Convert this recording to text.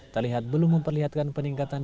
terlihat belum memperlihatkan peningkatan